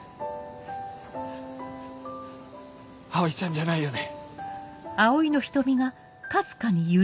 葵ちゃんじゃないよね？